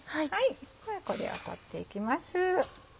じゃあこれを取っていきます。